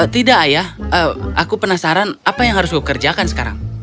tidak ayah aku penasaran apa yang harus kukerjakan sekarang